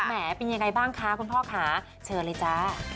แล้วมีอย่างไรบ้างคะคุณพ่อคะเชิญเลยจ๊ะ